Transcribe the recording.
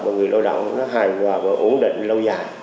và người lao động nó hài hòa và ổn định lâu dài